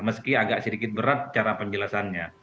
meski agak sedikit berat cara penjelasannya